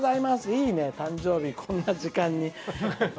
いいね、誕生日、こんな時間に。